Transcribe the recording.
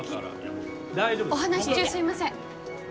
お話し中すいません。